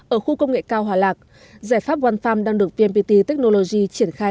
ở khu công nghệ cao hòa lạc giải pháp one farm đang được pmpt technology triển khai